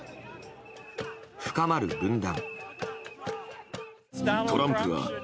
深まる分断。